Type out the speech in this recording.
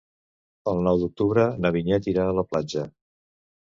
El nou d'octubre na Vinyet irà a la platja.